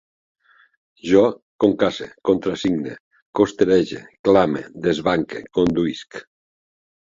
Jo concasse, contrasigne, costerege, clame, desbanque, conduïsc